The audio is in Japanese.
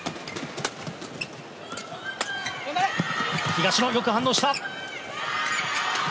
東野、よく反応した。